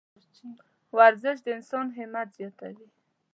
ورزش د انسان همت زیاتوي.